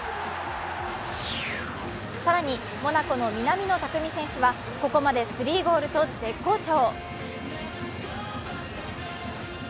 更にモナコの南野拓実選手はここまで３ゴールと絶好調。